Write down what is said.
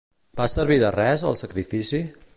Va servir de res, el sacrifici?